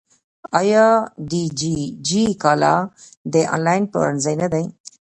آیا دیجیجی کالا د انلاین پلورنځی نه دی؟